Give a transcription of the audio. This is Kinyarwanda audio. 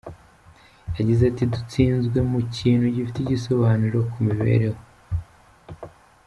Yagize ati “ Dutsinzwe mu kintu gifite igisobanuro ku mibereho.